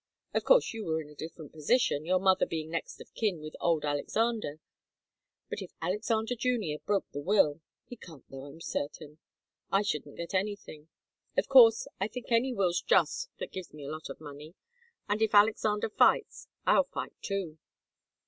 Of course you were in a different position, your mother being next of kin with old Alexander. But if Alexander Junior broke the will he can't though, I'm certain I shouldn't get anything. Of course I think any will's just that gives me a lot of money. And if Alexander fights, I'll fight, too."